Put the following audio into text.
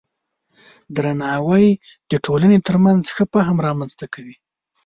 درناوی د ټولنې ترمنځ ښه فهم رامنځته کوي.